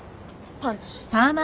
パンチ。